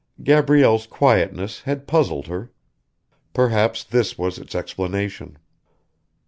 Gabrielle's quietness had puzzled her. Perhaps this was its explanation.